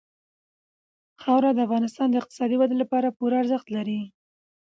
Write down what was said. خاوره د افغانستان د اقتصادي ودې لپاره پوره ارزښت لري.